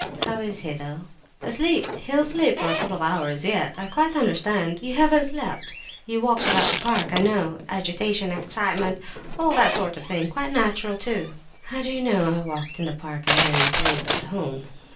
How is he, though?" "Asleep—he'll sleep for a couple of hours yet. I quite understand—you haven't slept—you walked about the park, I know. Agitation—excitement—all that sort of thing—quite natural, too!" "How do you know I walked in the park and didn't sleep at home?"